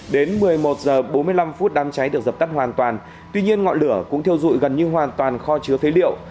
đến một mươi một h bốn mươi năm đám cháy được dập tắt hoàn toàn tuy nhiên ngọn lửa cũng thiêu dụi gần như hoàn toàn kho chứa phế liệu